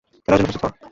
খেলার জন্য প্রস্তুত হ।